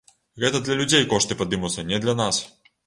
Гэта для людзей кошты падымуцца, не для нас.